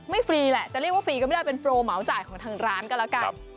ฟรีแหละจะเรียกว่าฟรีก็ไม่ได้เป็นโปรเหมาจ่ายของทางร้านก็แล้วกัน